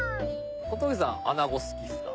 小峠さんアナゴ好きですか？